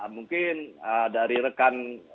mungkin dari rekan